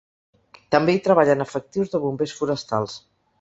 També hi treballen efectius de bombers forestals.